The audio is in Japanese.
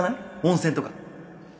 温泉とか